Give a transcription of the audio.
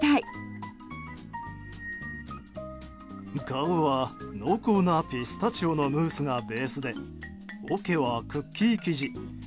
顔は濃厚なピスタチオのムースがベースでおけはクッキー生地。